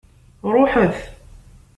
Ṛuḥet!